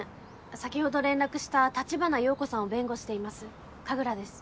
先ほど連絡した立花洋子さんを弁護をしています神楽です。